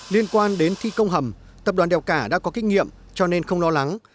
liên quan đến thi công hầm tập đoàn đèo cả đã có kinh nghiệm cho nên không lo lắng